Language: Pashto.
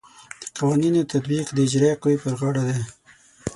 د قوانینو تطبیق د اجرائیه قوې پر غاړه دی.